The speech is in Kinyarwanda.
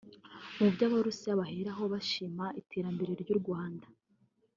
Mubyo Abarusiya baheraho bashima iterambere ry’u Rwanda